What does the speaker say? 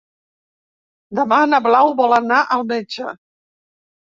Demà na Blau vol anar al metge.